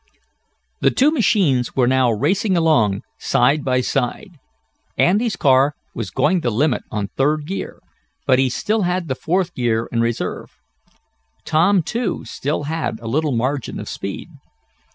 The two machines were now racing along side by side. Andy's car was going the limit on third gear, but he still had the fourth gear in reserve. Tom, too, still had a little margin of speed.